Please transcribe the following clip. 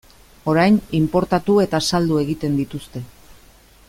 Orain inportatu eta saldu egiten dituzte.